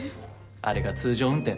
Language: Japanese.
あれが通常運転。